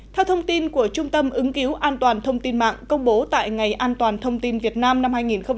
theo thông tin của trung tâm ứng cứu an toàn thông tin mạng công bố tại ngày an toàn thông tin việt nam năm hai nghìn một mươi chín